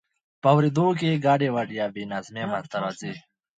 په اوریدو کې ګډوډي یا بې نظمي منځ ته راځي.